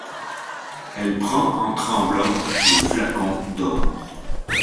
Elle prend en tremblant le flacon d’or.